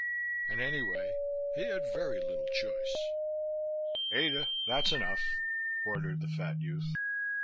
And anyway he had very little choice.... "Ada, that's enough," ordered the fat youth.